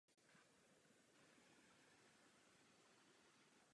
Musíme zajistit, aby uvolnění kritérií spolufinancování nevedlo ke snížení odpovědnosti.